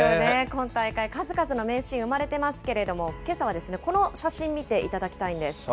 今大会、数々の名シーン生まれてますけれども、けさはこの写真見ていただきたいんです。